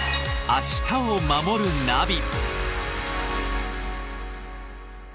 「明日をまもるナビ」